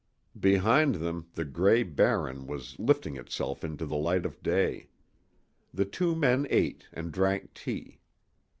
Behind them the gray Barren was lifting itself into the light of day. The two men ate and drank tea.